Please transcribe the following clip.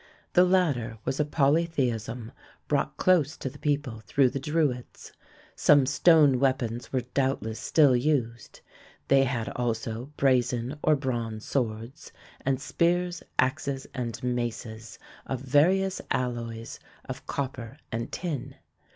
The latter was a polytheism brought close to the people through the Druids. Some stone weapons were doubtless still used; they had also brazen or bronze swords, and spears, axes, and maces of various alloys of copper and tin.